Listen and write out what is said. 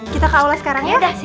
kita ke aula sekarang ya